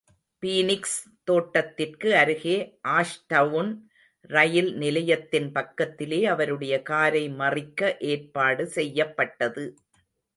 Phoenix தோட்டதிற்கு அருகே Ashtown ரயில் நிலையத்தின் பக்கத்திலே அவருடைய காரை மறிக்க ஏற்பாடு செய்யப்பட்டது.